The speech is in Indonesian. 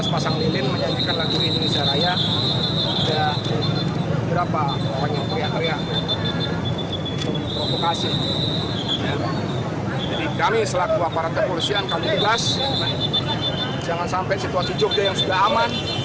kami selaku aparat kepolisian kami jelas jangan sampai situasi jogja yang sudah aman